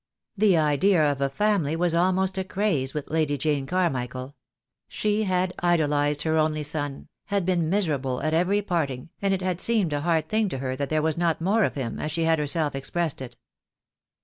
This idea of a family was almost a craze with Lady Jane Carmichael. She had idolized her only son, had THE DAY WILL COME. $$ been miserable at every parting, and it had seemed a hard thing to her that there was not more of him, as she had herself expressed it.